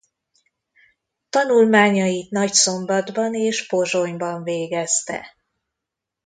Tanulmányait Nagyszombatban és Pozsonyban végezte.